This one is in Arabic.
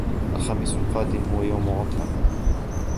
الخميس القادم هو يوم عطلة.